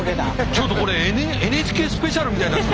ちょっとこれ「ＮＨＫスペシャル」みたいになって。